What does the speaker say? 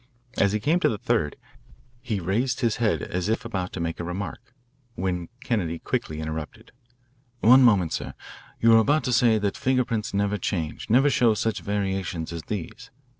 As he came to the third, he raised his head as if about to make a remark, when Kennedy quickly interrupted. "One moment, sir. You were about to say that finger prints never change, never show such variations as these.